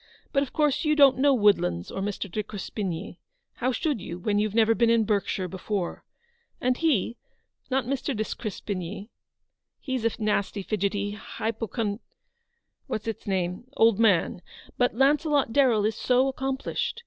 But of course you don't know 'Woodlands or Mr. de Crespigny. How should you, when you've never been in Berkshire before ? And he — not Mr. de Crespigny, he's a nasty, fidgety, hypochon — what's its name — old man ?— but Launcelot Darrell is so accomplished.